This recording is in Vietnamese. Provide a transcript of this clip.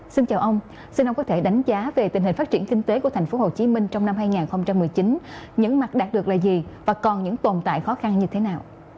xin chào ông xin ông có thể đánh giá về tình hình phát triển kinh tế của thành phố hồ chí minh trong năm hai nghìn một mươi chín những mặt đạt được là gì và còn những tồn tại khó khăn như thế nào